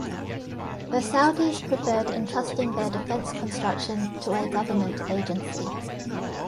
The Saudis preferred entrusting their defence construction to a government agency.